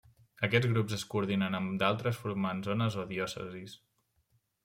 Aquests grups es coordinen amb d’altres formant zones o diòcesis.